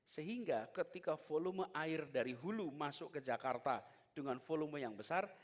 sehingga ketika volume air dari hulu masuk ke jakarta dengan volume yang besar